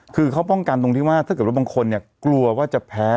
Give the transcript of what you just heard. คือเขาป้องกันตรงที่ว่าถ้าเกิดว่าบางคนเนี่ยกลัวว่าจะแพ้